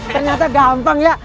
ternyata gampang ya